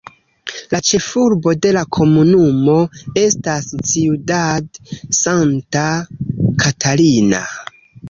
La ĉefurbo de la komunumo estas Ciudad Santa Catarina.